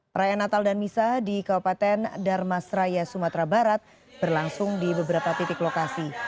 perayaan natal dan misa di kabupaten darmas raya sumatera barat berlangsung di beberapa titik lokasi